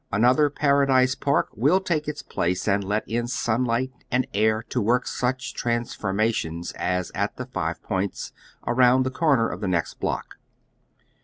Another Paradise Park will take its place and let in sunlight and air to work such transfor mation as at the Five Points, around the corner of the next block.